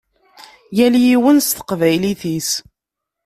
Yal yiwen s teqbaylit-is.